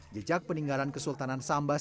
jejak peninggalan kesultanan sambas